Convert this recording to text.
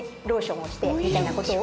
みたいなことを。